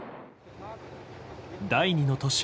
第２の都市